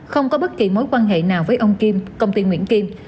không có bất kỳ mối quan hệ nào với ông kim công ty nguyễn kim